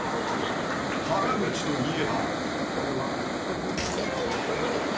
［原口といえば］